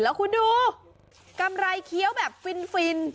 แล้วคุณดูกำไรเคี้ยวแบบฟิน